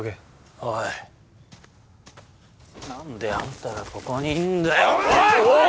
おいなんであんたがここにいんだよ！